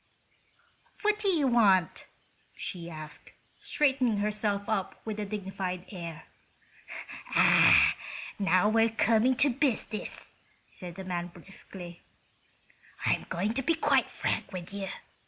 "What do you want?" she asked, straightening herself up with a dignified air. "Ah!—now we are coming to business," said the man, briskly. "I'm going to be quite frank with you.